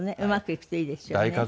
うまくいくといいですよね。